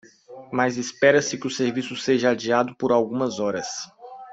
Mas espera-se que o serviço seja adiado por algumas horas.